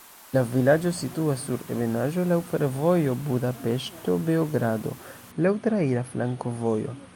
La vilaĝo situas sur ebenaĵo, laŭ fervojo Budapeŝto–Beogrado, laŭ traira flankovojo.